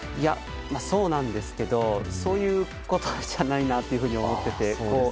そうなんですけどそういうことじゃないなと思っていて。